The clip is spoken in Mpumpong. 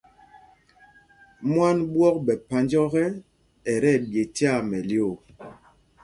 Mwân ɓwɔ̄k ɓɛ̌ phānj ɔ́kɛ, ɛ tí ɛɓye tyaa mɛlyoo.